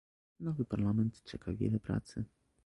Nowy Parlament czeka wiele pracy